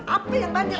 apa yang banjir